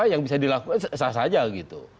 yang bisa dilakukan sah saja gitu